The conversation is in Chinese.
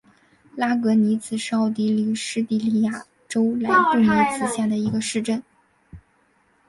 拉格尼茨是奥地利施蒂利亚州莱布尼茨县的一个市镇。